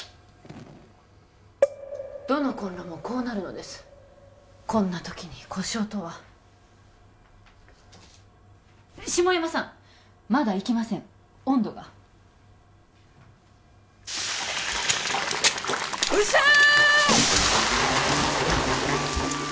どのコンロもこうなるのですこんなときに故障とは下山さんまだいけません温度が伏せー！